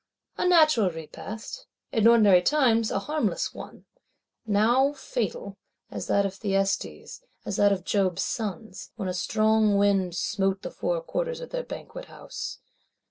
— A natural Repast, in ordinary times, a harmless one: now fatal, as that of Thyestes; as that of Job's Sons, when a strong wind smote the four corners of their banquet house!